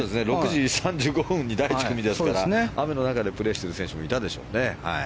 ６時３５分に第１組ですから雨の中でプレーしている選手もいたでしょうね。